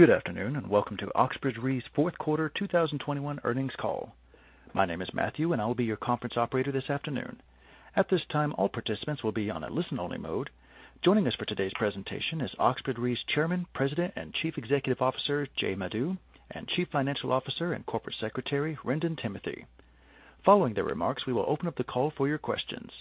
Good afternoon, and welcome to Oxbridge Re's fourth quarter 2021 earnings call. My name is Matthew, and I will be your conference operator this afternoon. At this time, all participants will be in listen-only mode. Joining us for today's presentation is Oxbridge Re's Chairman, President, and Chief Executive Officer, Jay Madhu, and Chief Financial Officer and Corporate Secretary, Wrendon Timothy. Following their remarks, we will open up the call for your questions.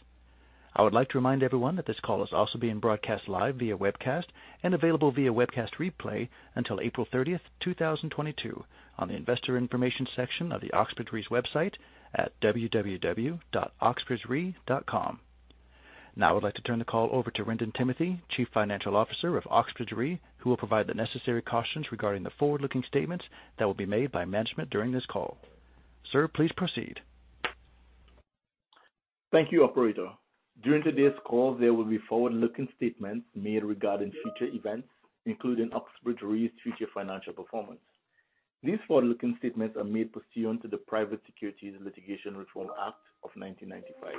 I would like to remind everyone that this call is also being broadcast live via webcast and available via webcast replay until April 30, 2022 on the investor information section of the Oxbridge Re's website at oxbridgere.com. Now I would like to turn the call over to Wrendon Timothy, Chief Financial Officer of Oxbridge Re, who will provide the necessary cautions regarding the forward-looking statements that will be made by management during this call. Sir, please proceed. Thank you, operator. During today's call, there will be forward-looking statements made regarding future events, including Oxbridge Re's future financial performance. These forward-looking statements are made pursuant to the Private Securities Litigation Reform Act of 1995.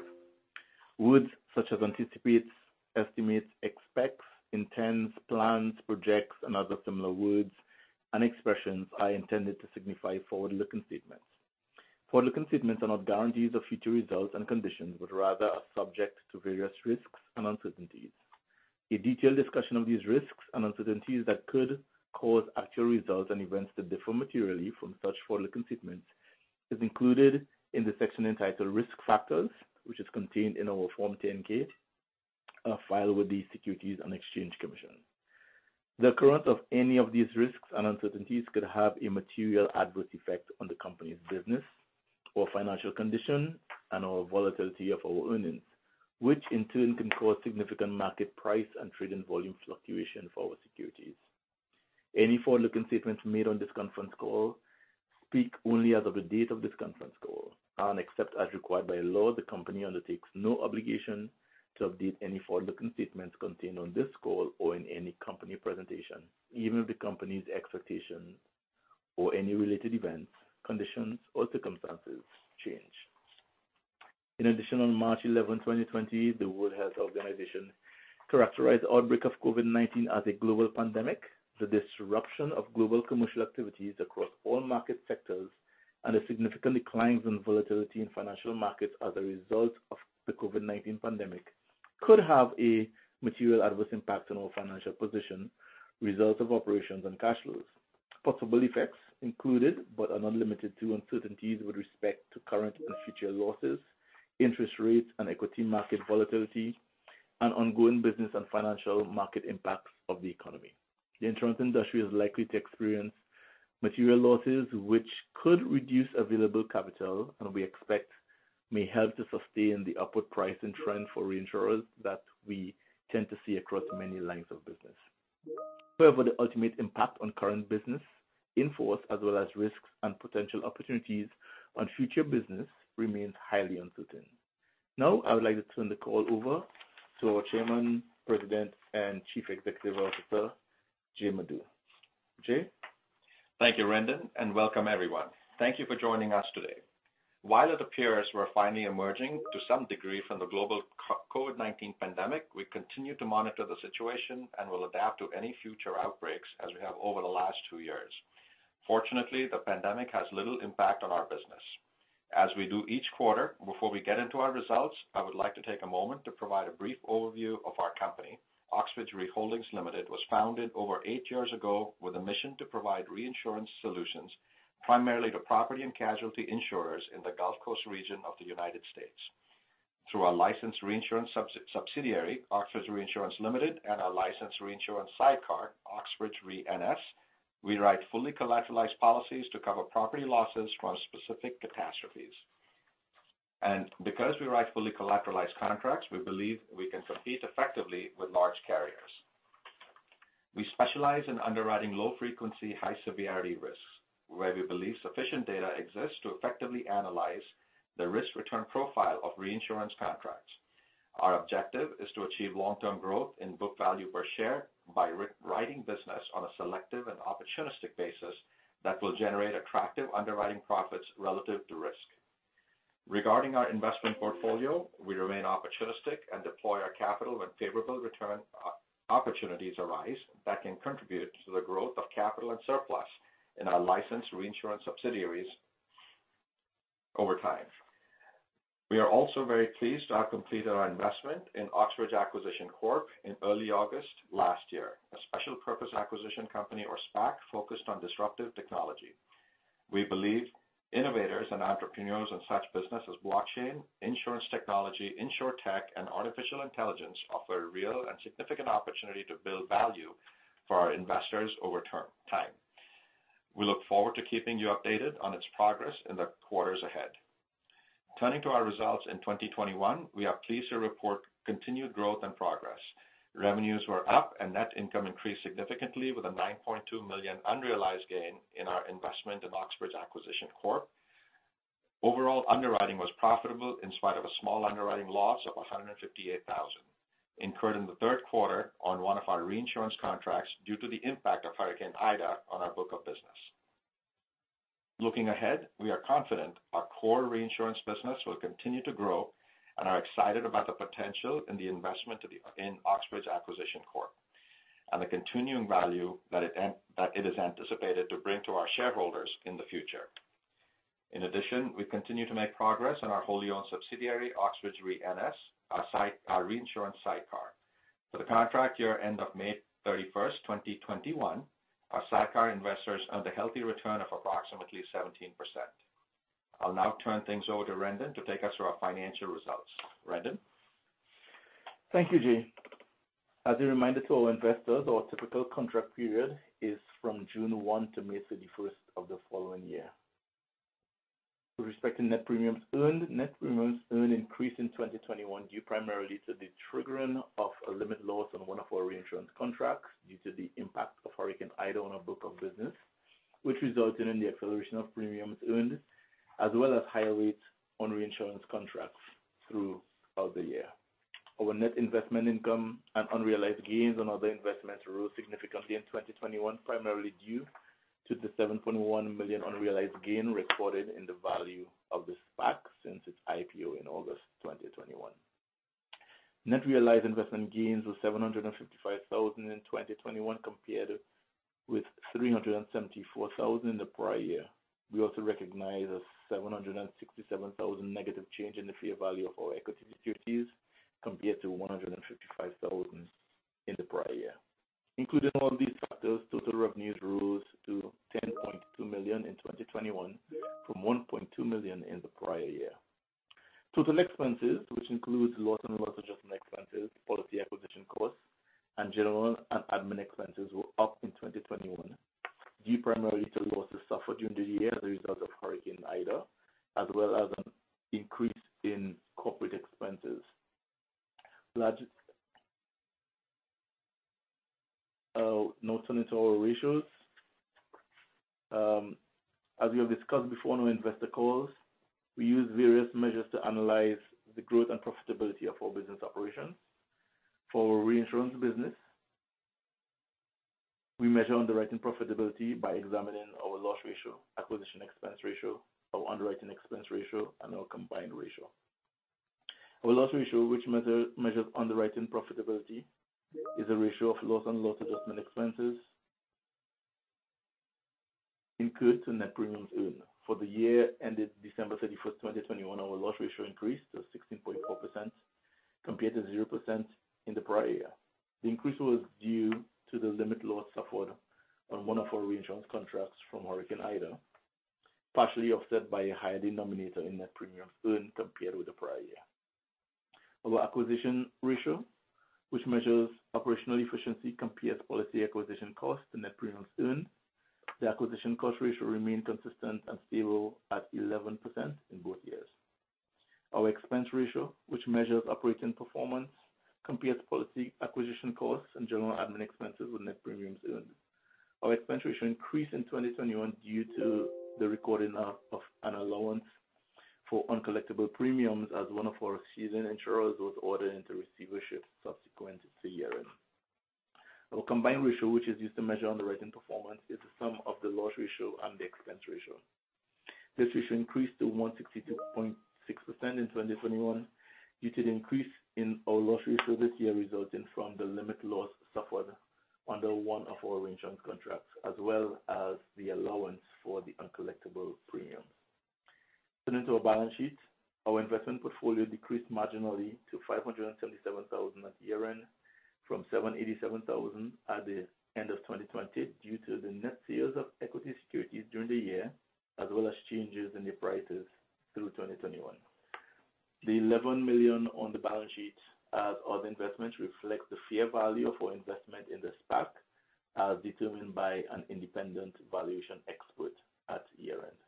Words such as anticipates, estimates, expects, intends, plans, projects, and other similar words and expressions are intended to signify forward-looking statements. Forward-looking statements are not guarantees of future results and conditions, but rather are subject to various risks and uncertainties. A detailed discussion of these risks and uncertainties that could cause actual results and events to differ materially from such forward-looking statements is included in the section entitled Risk Factors, which is contained in our Form 10-K filed with the Securities and Exchange Commission. The occurrence of any of these risks and uncertainties could have a material adverse effect on the company's business or financial condition and/or volatility of our earnings, which in turn can cause significant market price and trading volume fluctuation for our securities. Any forward-looking statements made on this conference call speak only as of the date of this conference call. Except as required by law, the company undertakes no obligation to update any forward-looking statements contained on this call or in any company presentation, even if the company's expectations or any related events, conditions, or circumstances change. In addition, on March 11, 2020, the World Health Organization characterized the outbreak of COVID-19 as a global pandemic. The disruption of global commercial activities across all market sectors and a significant decline in volatility in financial markets as a result of the COVID-19 pandemic could have a material adverse impact on our financial position, results of operations, and cash flows. Possible effects include but are not limited to uncertainties with respect to current and future losses, interest rates and equity market volatility, and ongoing business and financial market impacts of the economy. The insurance industry is likely to experience material losses, which could reduce available capital, and we expect may help to sustain the upward pricing trend for reinsurers that we tend to see across many lines of business. However, the ultimate impact on current business in force as well as risks and potential opportunities on future business remains highly uncertain. Now, I would like to turn the call over to our Chairman, President, and Chief Executive Officer, Jay Madhu. Jay? Thank you, Wrendon, and welcome everyone. Thank you for joining us today. While it appears we're finally emerging to some degree from the global COVID-19 pandemic, we continue to monitor the situation and will adapt to any future outbreaks as we have over the last two years. Fortunately, the pandemic has little impact on our business. As we do each quarter, before we get into our results, I would like to take a moment to provide a brief overview of our company. Oxbridge Re Holdings Limited was founded with a mission to provide reinsurance solutions primarily to property and casualty insurers in the Gulf Coast region of the United States. Through our licensed reinsurance subsidiary, Oxbridge Reinsurance Limited and our licensed reinsurance sidecar, Oxbridge Re NS, we write fully collateralized policies to cover property losses from specific catastrophes. Because we write fully collateralized contracts, we believe we can compete effectively with large carriers. We specialize in underwriting low frequency, high severity risks, where we believe sufficient data exists to effectively analyze the risk-return profile of reinsurance contracts. Our objective is to achieve long-term growth in book value per share by writing business on a selective and opportunistic basis that will generate attractive underwriting profits relative to risk. Regarding our investment portfolio, we remain opportunistic and deploy our capital when favorable return opportunities arise that can contribute to the growth of capital and surplus in our licensed reinsurance subsidiaries over time. We are also very pleased to have completed our investment in Oxbridge Acquisition Corp in early August last year, a special purpose acquisition company or SPAC focused on disruptive technology. We believe innovators and entrepreneurs in such business as blockchain, insurance technology, InsurTech, and artificial intelligence offer a real and significant opportunity to build value for our investors over the long term. We look forward to keeping you updated on its progress in the quarters ahead. Turning to our results in 2021, we are pleased to report continued growth and progress. Revenues were up and net income increased significantly with a $9.2 million unrealized gain in our investment in Oxbridge Acquisition Corp. Overall, underwriting was profitable in spite of a small underwriting loss of $158,000 incurred in the third quarter on one of our reinsurance contracts due to the impact of Hurricane Ida on our book of business. Looking ahead, we are confident our core reinsurance business will continue to grow and are excited about the potential in the investment in Oxbridge Acquisition Corp, and the continuing value that it is anticipated to bring to our shareholders in the future. In addition, we continue to make progress on our wholly owned subsidiary, Oxbridge Re NS, our reinsurance sidecar. For the contract year end of May 31, 2021, our sidecar investors earned a healthy return of approximately 17%. I'll now turn things over to Wrendon to take us through our financial results. Wrendon? Thank you, Jay. As a reminder to all investors, our typical contract period is from June 1 to May 31 of the following year. With respect to net premiums earned, net premiums earned increased in 2021 due primarily to the triggering of a limited loss on one of our reinsurance contracts due to the impact of Hurricane Ida on our book of business, which resulted in the acceleration of premiums earned, as well as higher rates on reinsurance contracts throughout the year. Our net investment income and unrealized gains on other investments grew significantly in 2021, primarily due to the $7.1 million unrealized gain recorded in the value of the SPAC since its IPO in August 2021. Net realized investment gains was $755,000 in 2021, compared with $374,000 in the prior year. We also recognized a $767,000 negative change in the fair value of our equity securities compared to $155,000 in the prior year. Including all these factors, total revenues rose to $10.2 million in 2021 from $1.2 million in the prior year. Total expenses, which includes loss and loss adjustment expenses, policy acquisition costs, and general and administrative expenses, were up in 2021 due primarily to losses suffered during the year as a result of Hurricane Ida, as well as an increase in corporate expenses. Now turning to our ratios. As we have discussed before in our investor calls, we use various measures to analyze the growth and profitability of our business operations. For our reinsurance business, we measure underwriting profitability by examining our loss ratio, acquisition expense ratio, our underwriting expense ratio, and our combined ratio. Our loss ratio, which measures underwriting profitability, is a ratio of loss and loss adjustment expenses incurred to net premiums earned. For the year ended December 31, 2021, our loss ratio increased to 16.4% compared to 0% in the prior year. The increase was due to the limited loss suffered on one of our reinsurance contracts from Hurricane Ida, partially offset by a higher denominator in net premiums earned compared with the prior year. Our acquisition expense ratio, which measures operational efficiency compared to policy acquisition costs and net premiums earned, remained consistent and stable at 11% in both years. Our expense ratio, which measures operating performance, compares policy acquisition costs and general admin expenses with net premiums earned. Our expense ratio increased in 2021 due to the recording of an allowance for uncollectible premiums as one of our ceding insurers was ordered into receivership subsequent to year-end. Our combined ratio, which is used to measure underwriting performance, is the sum of the loss ratio and the expense ratio. This ratio increased to 162.6% in 2021 due to the increase in our loss ratio this year resulting from the limit loss suffered under one of our reinsurance contracts, as well as the allowance for the uncollectible premiums. Turning to our balance sheet, our investment portfolio decreased marginally to $577,000 at year-end from $787,000 at the end of 2020 due to the net sales of equity securities during the year as well as changes in their prices through 2021. The $11 million on the balance sheet as other investments reflect the fair value of our investment in the SPAC as determined by an independent valuation expert at year-end.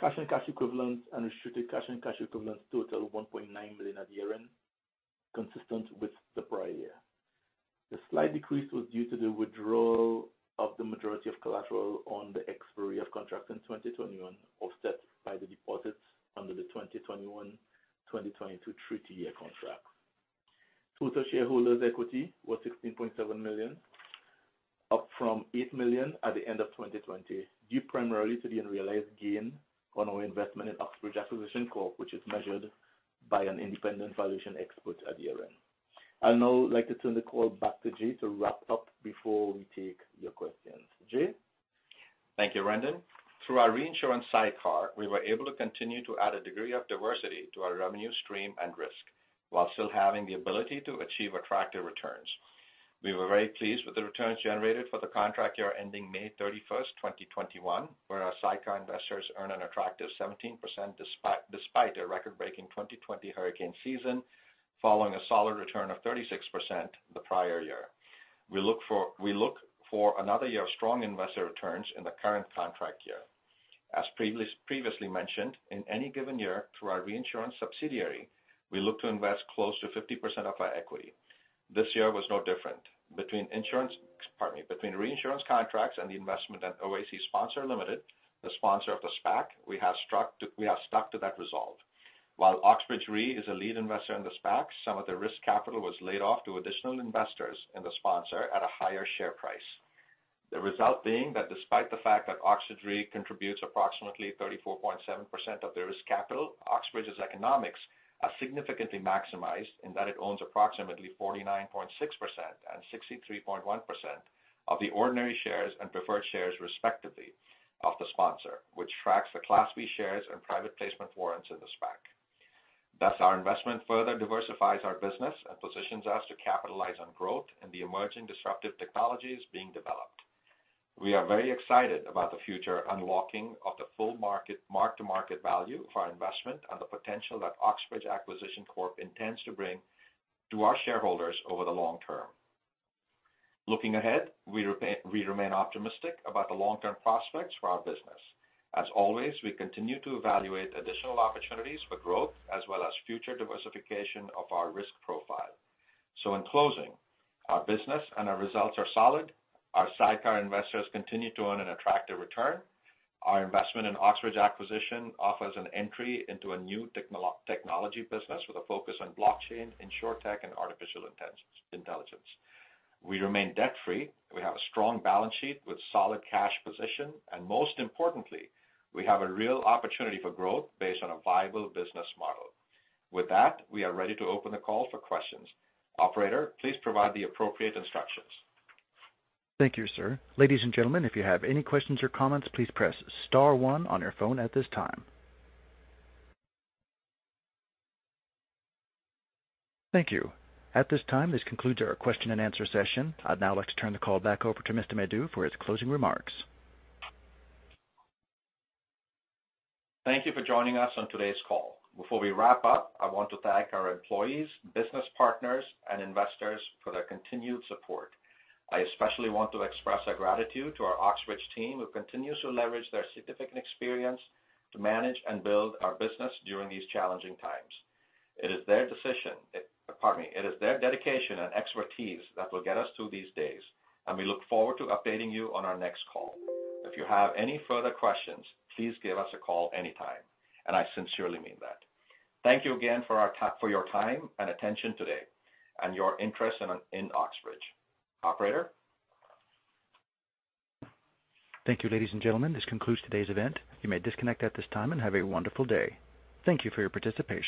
Cash and cash equivalents and restricted cash and cash equivalents total $1.9 million at year-end, consistent with the prior year. The slight decrease was due to the withdrawal of the majority of collateral on the expiry of contracts in 2021, offset by the deposits under the 2021/2022 treaty year contract. Total shareholders' equity was $16.7 million, up from $8 million at the end of 2020, due primarily to the unrealized gain on our investment in Oxbridge Acquisition Corp, which is measured by an independent valuation expert at year-end. I'll now like to turn the call back to Jay to wrap up before we take your questions. Jay? Thank you, Wrendon. Through our reinsurance sidecar, we were able to continue to add a degree of diversity to our revenue stream and risk while still having the ability to achieve attractive returns. We were very pleased with the returns generated for the contract year ending May 31, 2021, where our sidecar investors earned an attractive 17%, despite a record-breaking 2020 hurricane season, following a solid return of 36% the prior year. We look for another year of strong investor returns in the current contract year. As previously mentioned, in any given year through our reinsurance subsidiary, we look to invest close to 50% of our equity. This year was no different. Between insurance, pardon me, between reinsurance contracts and the investment at OAC Sponsor Ltd., the sponsor of the SPAC, we have stuck to that resolve. While Oxbridge Re is a lead investor in the SPAC, some of the risk capital was laid off to additional investors in the sponsor at a higher share price. The result being that despite the fact that Oxbridge Re contributes approximately 34.7% of the risk capital, Oxbridge's economics are significantly maximized in that it owns approximately 49.6% and 63.1% of the ordinary shares and preferred shares, respectively, of the sponsor, which tracks the Class B shares and private placement warrants in the SPAC. Thus, our investment further diversifies our business and positions us to capitalize on growth in the emerging disruptive technologies being developed. We are very excited about the future unlocking of the full mark-to-market value of our investment and the potential that Oxbridge Acquisition Corp intends to bring to our shareholders over the long term. Looking ahead, we remain optimistic about the long-term prospects for our business. As always, we continue to evaluate additional opportunities for growth as well as future diversification of our risk profile. In closing, our business and our results are solid. Our sidecar investors continue to earn an attractive return. Our investment in Oxbridge Acquisition offers an entry into a new technology business with a focus on blockchain, InsurTech, and artificial intelligence. We remain debt-free. We have a strong balance sheet with solid cash position, and most importantly, we have a real opportunity for growth based on a viable business model. With that, we are ready to open the call for questions. Operator, please provide the appropriate instructions. Thank you, sir. Ladies and gentlemen, if you have any questions or comments, please press star one on your phone at this time. Thank you. At this time, this concludes our question and answer session. I'd now like to turn the call back over to Mr. Madhu for his closing remarks. Thank you for joining us on today's call. Before we wrap up, I want to thank our employees, business partners, and investors for their continued support. I especially want to express our gratitude to our Oxbridge team, who continues to leverage their significant experience to manage and build our business during these challenging times. It is their dedication and expertise that will get us through these days, and we look forward to updating you on our next call. If you have any further questions, please give us a call anytime, and I sincerely mean that. Thank you again for your time and attention today, and your interest in Oxbridge. Operator? Thank you, ladies and gentlemen. This concludes today's event. You may disconnect at this time, and have a wonderful day. Thank you for your participation.